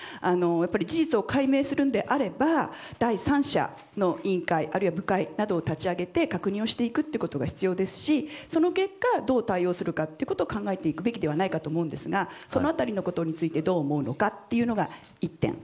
事実を解明するのであれば第三者の委員会あるいは部会などを立ち上げて確認をしていくことが必要ですし、その結果どう対応するか考えていくべきではないかと思うんですがその辺りのことについてどう思うのかということが１点。